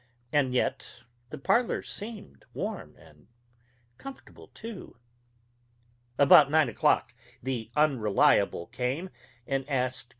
And yet the parlor seemed warm and comfortable, too. About nine o'clock the Unreliable came and asked Gov.